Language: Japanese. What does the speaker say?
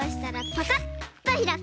パカッとひらく。